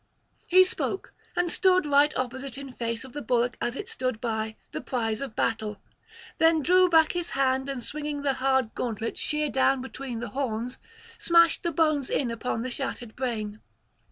He spoke, and stood right opposite in face of the bullock as it stood by, the prize of battle; then drew back his hand, and swinging the hard gauntlet sheer down between the horns, smashed the bones in upon the shattered brain.